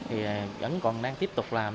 vẫn còn đang tiếp tục làm